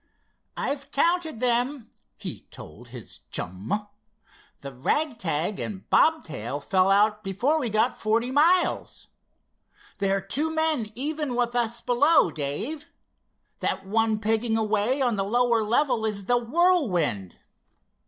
"I've counted them," he told his chum. "The ragtag and bobtail fell out before we got forty miles. There're two men even with us below, Dave. That one pegging away on the lower level is the Whirlwind."